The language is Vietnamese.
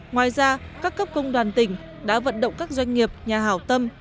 ngoài ra các cấp công đoàn tỉnh đã vận động các doanh nghiệp nhà hảo tâm